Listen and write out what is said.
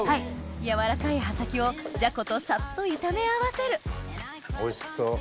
軟らかい葉先をじゃことサッと炒め合わせるおいしそう。